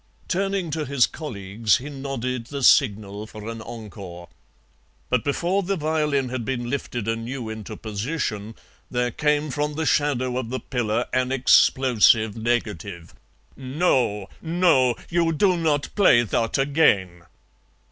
Turning to his colleagues he nodded the signal for an encore. But before the violin had been lifted anew into position there came from the shadow of the pillar an explosive negative. "'Noh! Noh! You do not play thot again!'